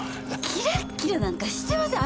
キラッキラなんかしてません！